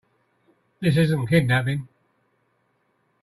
This isn't a kidnapping.